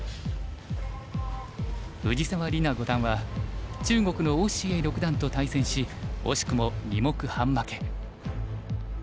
藤沢里菜五段は中国の於之瑩六段と対戦し惜しくも２目半負け。